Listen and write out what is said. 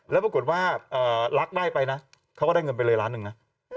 แล้วปรากฏว่ารักได้ไปนะเขาก็ได้เงินไปเลยล้านหนึ่งนะ